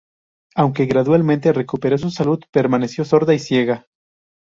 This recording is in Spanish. Aunque gradualmente recuperó su salud, permaneció sorda y ciega.